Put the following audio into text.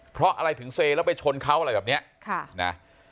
เพราะอะไรถึงเซแล้วไปชนเขาอะไรแบบเนี้ยค่ะนะ